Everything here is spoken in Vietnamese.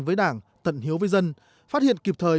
với đảng tận hiếu với dân phát hiện kịp thời